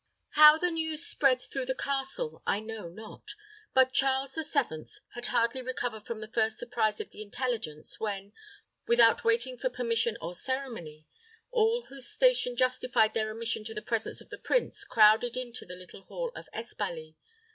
How the news spread through the castle, I know not; but Charles VII. had hardly recovered from the first surprise of the intelligence when, without waiting for permission or ceremony, all whose station justified their admission to the presence of the prince crowded into the little hall of Espaly.